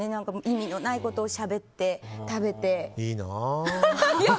意味のないことをしゃべって食べて。